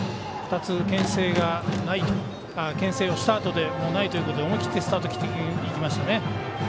２つけん制をしたあとでないということで思い切ってスタート切っていきましたね。